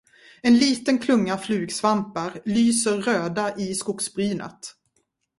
En liten klunga flugsvampar lyser röda i skogsbrynet.